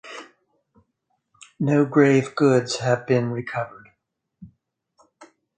No grave goods have been recovered.